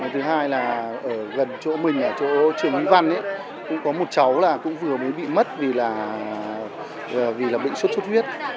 thứ hai là ở gần chỗ mình chỗ trường nguyễn văn có một cháu cũng vừa mới bị mất vì là bệnh suốt suốt huyết